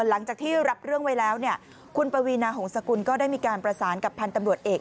หลังจากที่รับเรื่องไว้แล้วเนี่ยคุณปวีนาหงษกุลก็ได้มีการประสานกับพันธ์ตำรวจเอก